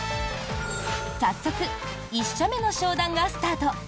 早速、１社目の商談がスタート。